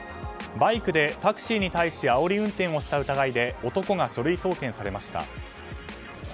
バイクでタクシーに対しあおり運転をした疑いで男が書類送検されました。